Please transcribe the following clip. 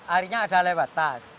airnya ada lewat tas